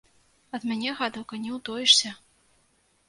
Ад мяне, гадаўка, не ўтоішся!